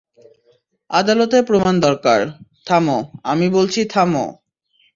আদালতের প্রমাণ দরকার, - থামো, আমি বলছি থামো।